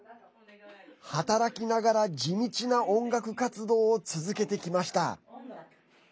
働きながら地道な音楽活動を続けてきました。